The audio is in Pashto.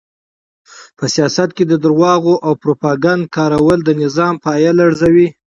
په سیاست کې د درواغو او پروپاګند کارول د نظام پایه لړزوي.